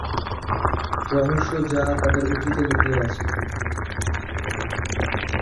রহস্য যা তাদের অতীতে লুকিয়ে আছে।